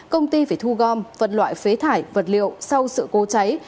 công ty phải thu gom vật loại phế thải vật liệu sau sự cố cháy